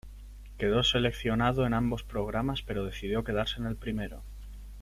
Quedó seleccionado en ambos programas pero decidió quedarse en el primero.